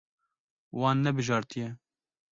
Wan nebijartiye.